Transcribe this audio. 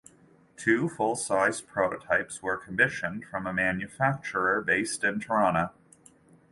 Two full-sized prototypes were commissioned from a manufacturer based in Toronto.